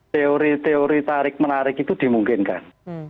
teori teori tarik menarik itu dimungkinkan